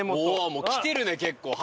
もうきてるね結構。